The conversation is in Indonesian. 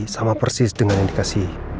sama persis dengan yang dikasih